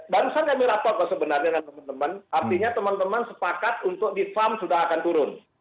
barusan kami lapor sebenarnya dengan teman teman artinya teman teman sepakat untuk di farm sudah akan turun